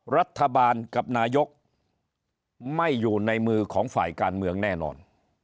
รัฐบาลกับนายกไม่อยู่ในมือของฝ่ายการเมืองแน่นอน